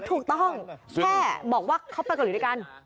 ถูกต้องแค่บอกว่าเขาไปเกาหลีด้วยกัน